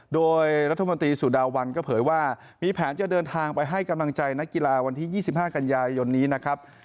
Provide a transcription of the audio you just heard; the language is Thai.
โดยรัฐมนตรีสุดาวัลก็เผยว่ามีแผนจะเดินทางไปให้กำลังใจนักกีฬาวันที่๒๕กันยายนนี้นะครับ